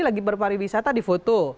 lagi berpariwisata di foto